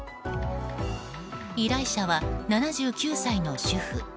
依頼者は７９歳の主婦。